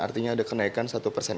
artinya ada kenaikan satu persen